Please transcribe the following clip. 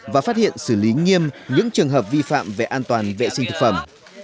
và phát hiện xử lý nghiêm những trường hợp vi phạm về an toàn vệ sinh thực phẩm